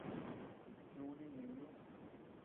Snúni neʼeñ ú.